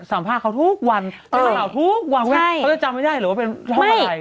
สามารถเขาทุกวันเออทุกวันเขาจะจำไม่ได้หรือว่าเป็นไม่